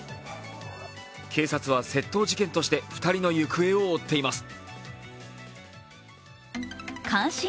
警察は窃盗事件として２人の行方を追っています。